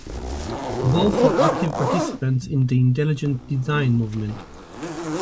Both are active participants in the intelligent design movement.